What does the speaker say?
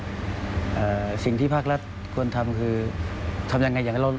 อ่าสิ่งที่ภาครัฐควรทำคือทำยังไงอย่างนั้นเรา